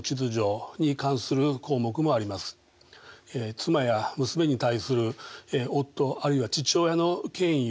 妻や娘に対する夫あるいは父親の権威をですね